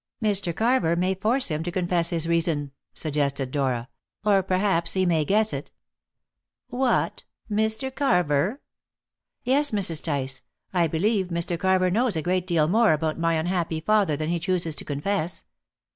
"Mr. Carver may force him to confess his reason," suggested Dora, "or perhaps he may guess it." "What! Mr. Carver?" "Yes, Mrs. Tice. I believe Mr. Carver knows a great deal more about my unhappy father than he chooses to confess.